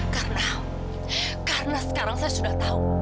karena karena sekarang saya sudah tahu